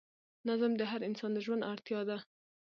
نظم د هر انسان د ژوند اړتیا ده.